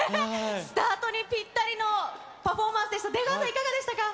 スタートにぴったりのパフォーマンスでした。